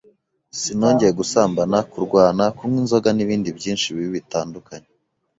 sinongeye gusambana, kurwana, kunywa inzoga n’ibindi byinshi bibi bitandukanye,